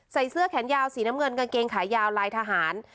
ใส่เสื้อแขนยาวสีน้ำเงินกางเกงขายาวลายทหาร